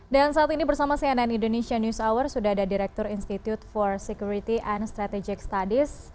dan saat ini bersama cnn indonesia news hour sudah ada direktur institute for security and strategic studies